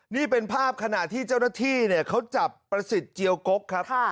นี่เป็นภาพขณะที่เจ้าหน้าที่เนี่ยเขาจับประสิทธิ์เจียวกกครับ